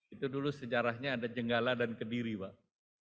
itu dulu sejarahnya ada jenggala dan kediri pak